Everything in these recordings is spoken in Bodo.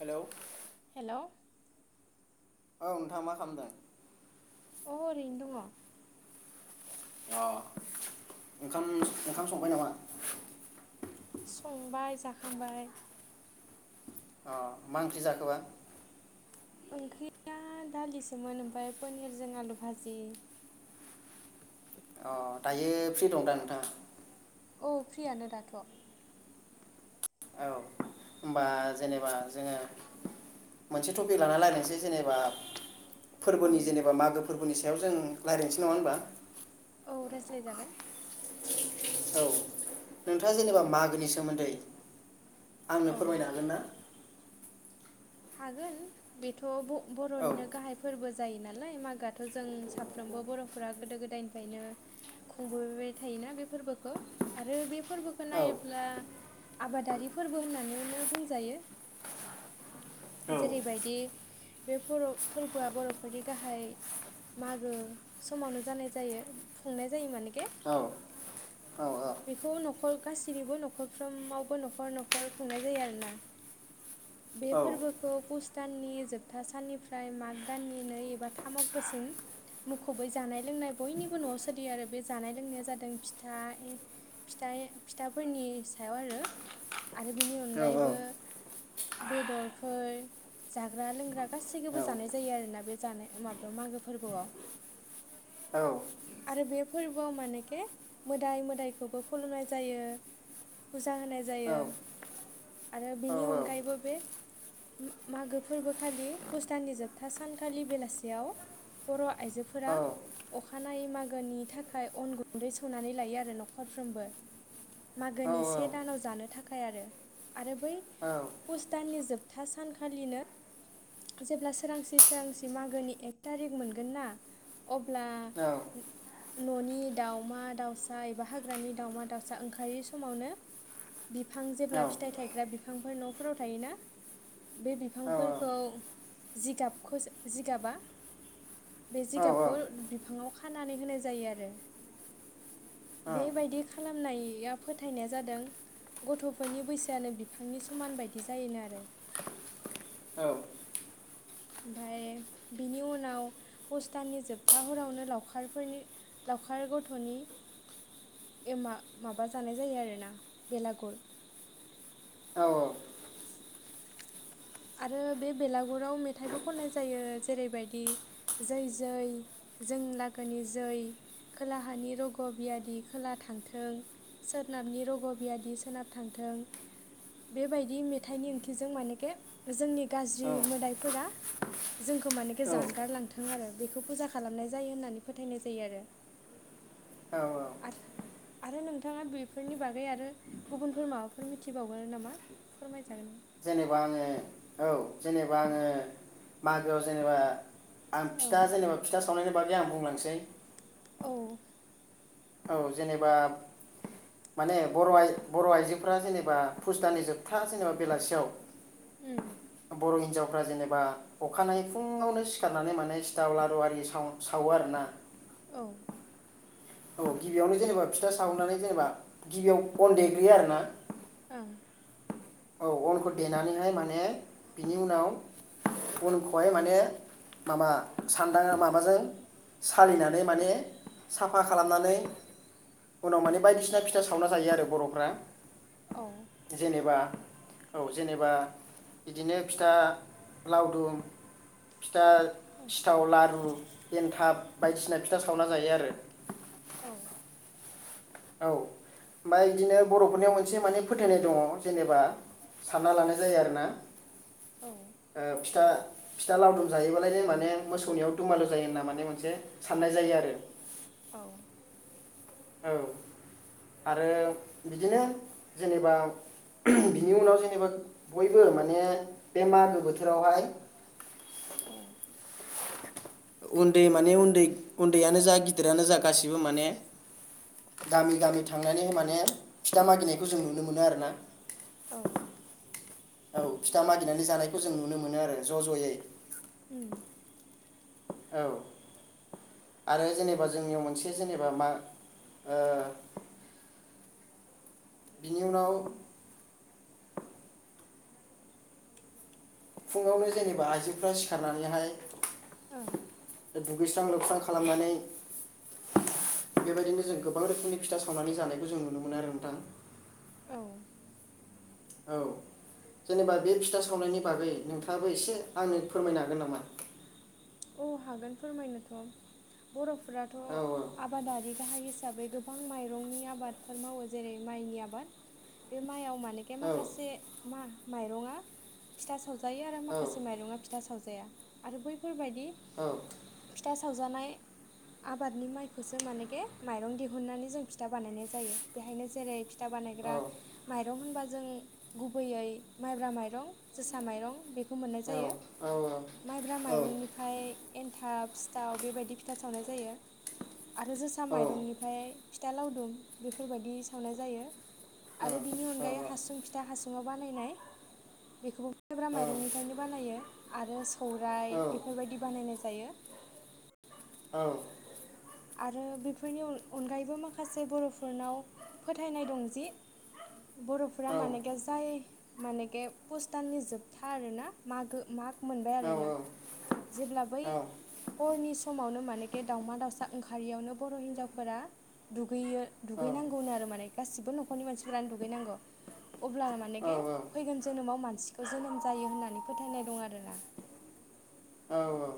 हेलौ। हेलौ। औ नोंथां मा खालामदों? अ ओरैनो दङ। अ ओंखाम ओंखाम संबाय नामा? संबाय जाखांबाय। अ मा ओंख्रि जाखोबा? ओंख्रिया दालिसोमोन ओमफ्राय पनिरजों आलु भाजि। अ दायो फ्रि दं दा नोंथाङा? औ फ्रियानो दाथ'। औ होमबा जेनेबा जोङो मोनसे टपिक लानानै रायलायनोसै जेनेबा फोरबोनि जेनेबा मागो फोरबोनि सायाव जों रायज्लायनोसै नङा होनबा? औ रायज्लायजागोन। औ नोंथाङा जेनेबा मागोनि सोमोन्दै आंनो औ फोरमायनो हागोन ना? हागोन बेथ' औ ब-बर'निनो गाहाय फोरबो जायो नालाय मागोआथ' जों साफ्रोमबो बर'फोरा गोदो गोदायनिफायनो खुंबोबाय थायोना बे फोरबोखो आरो बे फोरबोखो औ नायोब्ला आबादारि फोरबो होननानैनो बुंजायो। [inaudible] जेरैबायदि बे फर' फोरबोआ बर'फोरनि गाहाय मागो समावनो जानाय जायो खुंनाय जायो मानोके। औ औ औ। बेखौ न'खर गासैनिबो न'खरफ्रोमावबो न'खर न'खर खुंनाय जायो आरोना। [inaudible] बे फोरबो पुस दाननि जोबथा साननिफ्राय माग दाननि नै एबा थाम अक्ट'सिम मुखुबै जानाय लोंनाय बयनिबो न'आव सोलियो आरो बे जानाय लोंनाया जादों फिथा ए फिथाइ फिथाफोरनि सायाव आरो। आरो बेनि औ अनगायैबो बेदर [inaudible] जाग्रा लोंग्रा गासैखोबो औ जानाय जायो आरोना बे जानाय माबायाव मागो फोरबोआव। औ। आरो बे फोरबोआव मानोके मोदाय मोदायखौबो खुलुमनाय जायो। फुजा होनाय औ जायो आरो बेनि अनगायैबो बे मागो फोरबोखालि पुस दाननि जोबथा सानखालि बेलासियाव बर' आइजोफोरा अखा नायै मागोनि थाखाय अन गुन्दै सौनानै लायो आरो न'खरफ्रोमबो। मागोनि से दानाव जानो थाखाय आरो आरो बै पुस दाननि जोब था सानखालिनो जेब्ला सोरांसि सोरांसि मागोनि एक तारिक मोनगोन ना अब्ला न'नि दाउमा दाउसा एबा हाग्रानि दाउमा दाउसा ओंखारै समावनो बिफां औ जेब्ला फिथाइ थायग्रा बिफांफोर न'फोराव थायो ना बे औ बिफांफोरखौ जिगाबखौसो जिगाबा बे औ जिगाबखौ बिफाङाव खानानै होनाय जायो आरो बेबायदि खालामनाय या फोथायनाया जादों गथ'फोरनि बैसोआनो बिफांनि समान बायदि जायोनो आरो औ। ओमफाय बिनि उनाव पुस दाननि जोबथा हरावनो लावखारफोरनि लावखार [unintelligible] गथ'नि [unintelligible] एमा माबा जानाय जायो आरो ना बेलागुर। औ औ। आरो बे बेलागुराव मेथाइबो खननाय जायो। जेरैबायदि जै जै जों लागोनि जै खोलाहानि रग' बियादि खोला थांथों सोनाबनि रग' बियादि सोनाब थांथों बेबायदि मेथाइनि ओंथिजों माने के जोंनि गाज्रि औ मोदायफोरा जोंखौ मानेखि जानगारलांथों आरो बे खौ फुजा खालामनाय जायो होननानै फोथायनाय जायो आरो औ औ। आरो आरो नोंथाङा बेफोरनि बागै आरो गुबुनफोर माबाफोर मिथिबावगोन नामा फोरमाय जेनेबा आङो औ जेनेबा आङो मागोआव जेनेबा आं औ फिथा जेनेबा फिथा सावनायनि बागै आं बुंलांसै। औ औ जेनेबा माने बर आइ बर' आइजोफोरा जेनेबा पुस दाननि जोबथा जेनेबा बेलासियाव [unintelligible] उम। बर' हिन्जावफ्रा जेनेबा अखानायै फुङावनो सिखारनानै माने सिथाव लारु आरि साव-सावो आरो ना औ। औ गिबियावनो जेनेबा फिथा सावनानै जेनेबा गिबियाव अन देग्रोयो आरो ना। ओं औ अनखौ देनानैहाय माने बिनि उनाव बनखौहाय माने माबा सान्दाङा माबाजों सालिनानै माने साफा खालामना फ्राय उनाव माने बायदिसिना फिथा सावना जायो आरो बर'फ्रा। औ जेनेबा औ जेनेबा बिदिनो फिथा लावदुम फिथा सिथाव, लारु, एनथाब बायदिसिना फिथा सावना जायो आरो औ। औ ओमफाय बिदिनो बर'फोरनियाव एसे माने फोथायनाय दङ' जेनेबा सानना लानाय जायो आरो ना। औ ओ फिथा फिथा लावदुम जायोबालायनो माने मोसौनियाव दुमालु जायो होनना माने मोनसे साननाय जायो आरो [unintelligible] औ औ आरो बिदिनो जेनेबा [unintelligible] बिनि उनाव जेनेबा बयबो माने बे मागो बोथोरावहाय औ उन्दै माने उन्दै उन्दैयानो जा गिदिरानो जा गासिबो माने गामि गामि थांनानै माने फिथा मागिनायखौ जों नुनो मोनो आरोना [inaudible] औ औ फिथा मागिनानै जानायखौ जों नुनो मोनो आरो ज' ज'यै उम औ आरो जेनेबा जोंनियाव मोनसे जेनेबा मा ओ [inaudible] बिनि उनाव फुङावनो जेनेबा आइजोफ्रा सिखारनानैहाय औ दुगैस्रां लोबस्रां खालामनानै बेबायदिनो जों गोबां रोखोमनि फिथा सावनानै जानायखौ जों नुनो मोनो आरो नोंथां उम औ जेनेबा बे फिथा सावनायनि बागै नोंथाङाबो एसे आंनो फोरमायनो हागोन नामा औ हागोन फोरमायनोथ' बर'फोराथ' औ आबादारि गाहाय हिसाबै गो गोबां माइरंनि आबादफोर मावो जेरै माइनि आबाद बे माइयाव मानेके औ माखासे मा माइरङा फिथा सावजा जायो आरो औ माखासे माइरङा फिथा सावजाया आरो बैफोरबायायदि बिदि औ फिथा सावजानाय [inaudible] आबादनि माइखौसो मानेके माइरं दिहुननानै जों फिथा बानायनाय जायो बेहायनो जेरै फिथा औ बानायग्रा माइरं होनबा जों गुबैयै माइब्रा माइरं जोसा माइरं बेखौ मोननाय जायो औ औ माइब्रा माइरंनि फ्राय एन्थाब सिथाव बेबायदि फिथा सावनाय जायो आरो जोसा माइरंनिफ्राय फिथा लावदुम बेफोरबायदि सावनाय जायो आरो बिनि अनगायै हासुं फिथा हासुुंआव बानायनाय बेखौबो माइ ब्रा माइरंनिफ्रायनो बानायो आरो सौराइ औ बेफोरबायदि बानायनाय जायो औ आरो बेफोरनि अन अनगायैबो माखासे बर'फोरनाव फोथायनाय दं जि बर'फोरा औ औ मानेके जाय मानेके पस दाननि जोबथा आरोना मागो माग मोनबाय औ आरोना औ जेब्ला बै हरनि समावनो मानेके दाावमा दाउसा ओंखारियावनो बर' हिनजावफोरा दुगैयो दुगैनांगौनो आरो माने गासिबो नखर न'खरनि मानसिफोरानो दुगैनांगौ अब्ला मानेके फैगोन जोनाव मान सिखौ जोनोम जायो होननानै फोथायनाय दं आरोना औ औ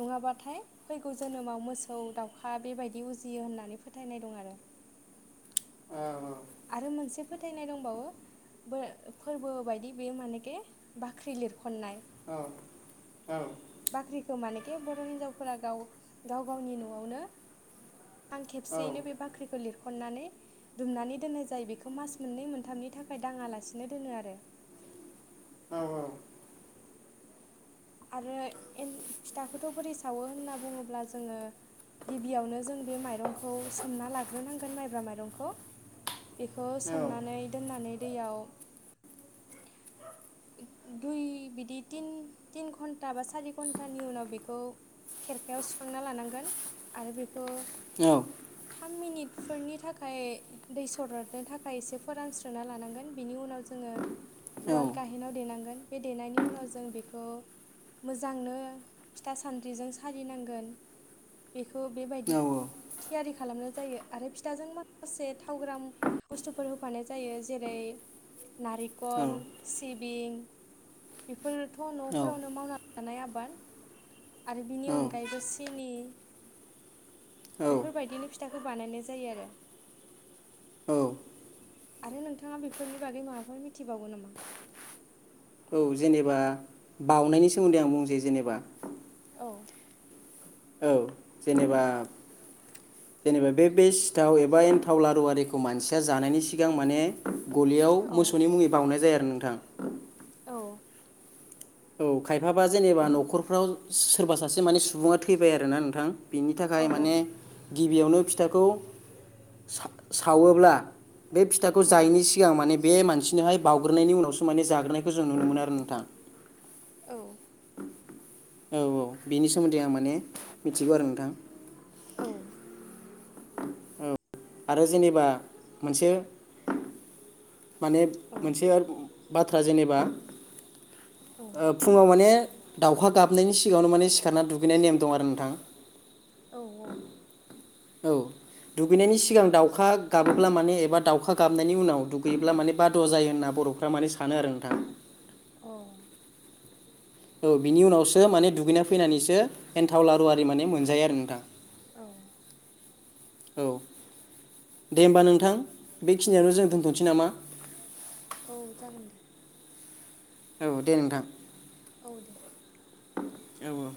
नङाबाथाय फैगौ जोनोमाव मोसौ दाउखा बेबायदि उजियो होननानै फोथायनाय दं आरो [inaudible] अ आरो मोनसे फोथायनाय दंबावो फोरबो बायदि बे मानेखे बाख्रि लिरख' औ औ बाख्रिखौ मानेखे बर' हिन्जावफोरा गाव गाव गावनि न'आवनो आं खेबसेयैनो बे बाख्रिखौ लिरख खननानै दुमनानै दोननाय जायो बेखौ मास मोननै मोनथामनि थाखाय दाङालासिनो दोनो आरो औ औ आरो फिथाखौथ' बोरै सावो होनना बुङोब्ला जोङो गिबियावनो जों बे माइरंखौ सोमना लाग्रोनांगोन माइब्रा माइरंखौ बेखौ सोमनानै दोननानै दैयाव दुइ बिदि तिन तिन घन्टा बा सारि घन्टानि उनाव बेखौ खेरखायाव सुखांना लानांगोन आरो बेखौ औ थाम मिनिटफोरनि थाखाय दै सरदनो थाखाय इसे फोरानस्रोना लानांगोन बिनि उनाव जोङो ओ उवाल गाहेनाव देनांगोन बे देनायनि उनाव जों बेखौ मोजांनो फिथा सान्द्रिजों सालिनांगोन बेखौ बेबायदि थियारि खालामनो जायो आरो फिथाजों माखासे थाव ग्राम बुस्थुफोर होफानाय जायो जेरै नारिकल सिबिं बेफोरथ' न' फोरावनो मावना लानाय आबाद आरो बिनि अनगायैबो सिनि बेफोरबायदिनो फिथाखौ बानायनाय जायो आरो। औ आरो नोंथाङा बेफोरनि बागै माबाफोर मिथिबावगौ नामा? औ जेनेबा बउनायनि सोमोन्दै आं बुंनोसै जेनेबा औ औ जेनेबा जेनेबा बे बेस ताव एबा एन्थाव लारुवारिखौ मानसिया जानायनि सिगां माने गलियाव औ मोसौनि मुङै बावउनाय जाया आरो नोंथां। औ औ खायफाबा जेनेबा न'खरफ्राव सोरबा सासे माने सु बुङा थैबाय आरोना नोंथां बेनि औ थाखाय माने गिबियावनो फि थाखौ सा-सावोब्ला बे फिथाखौ औ जायिनि सिगां माने बे मानसिनोहाय बावउग्रोनायनि उनावसो माने जाग्रोनायखौ जों नुनो मोनो आरो नोंथां। औ औ औ बिनि सोमोन्दै आं माने मिथिगौ आरो नोंथां। औ आरो जेनेबा मोनसे माने मोनसे बाथ्रा जेनेबा औ ओ फुङाव माने दाउखा गाबनायनि सिगाङावनो माने सिखारना दुगैनाय नेम दं आरो नोंथां। औ [unintelligible] औ दुगैनायनि सिगां दाउखा गाबोब्ला माने एबा दाउखा गाबनायनि उनाव दुगैयोब्ला माने बाद'वा जायो होनना बर' फ्रा माने सानो आरो नोंथां। औ औ बिनि उनावसो माने दुगैना फैनानैसो एन्थाव लारु आरि माने मोनजायो आरो नोंथां। औ [inaudible] औ दे होमबा नोंथां बेखिनियावनो जों दोनथ'नोसै नामा? [inaudible] औ जागोन दे औ दे नोंथां। औ दे। औ औ।